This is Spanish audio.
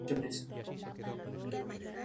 A nivel nacional su clásico es Racing Olavarría.